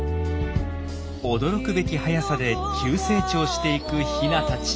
驚くべき速さで急成長していくヒナたち。